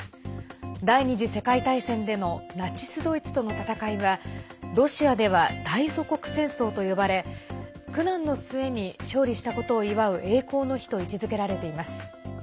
第２次世界大戦でのナチス・ドイツとの戦いはロシアでは、大祖国戦争と呼ばれ苦難の末に勝利したことを祝う栄光の日と位置づけられています。